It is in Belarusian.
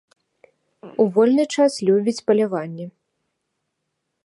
У вольны час любіць паляванне.